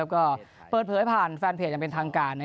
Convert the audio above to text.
ก็เปิดเผยผ่านแฟนเพจอย่างเป็นทางการ